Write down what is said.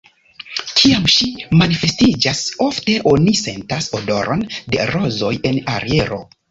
Kiam ŝi manifestiĝas, ofte oni sentas odoron de rozoj en aero.